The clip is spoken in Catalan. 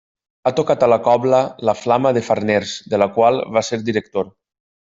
Ha tocat a la cobla La Flama de Farners, de la qual va ser director.